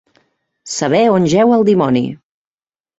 Saber on jeu el dimoni.